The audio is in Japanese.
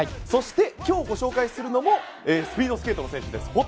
そして、今日ご紹介するのもスピードスケートの選手です。